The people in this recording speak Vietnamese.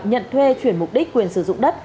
nhận thuê chuyển mục đích quyền sử dụng đất